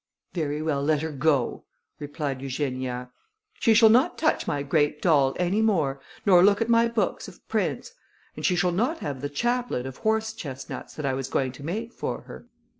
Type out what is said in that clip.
"Very well, let her go," replied Eugenia. "She shall not touch my great doll any more, nor look at my book of prints; and she shall not have the chaplet of horse chestnuts that I was going to make for her."